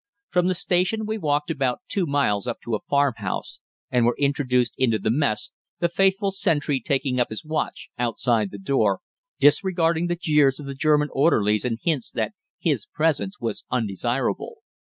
From the station we walked about 2 miles up to a farmhouse, and were introduced into the mess, the faithful sentry taking up his watch outside the door, disregarding the jeers of the German orderlies and hints that his presence was undesirable.